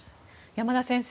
山田先生